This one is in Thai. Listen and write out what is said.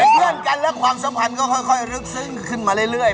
เพื่อนกันและความสัมพันธ์ก็ค่อยลึกซึ้งขึ้นมาเรื่อย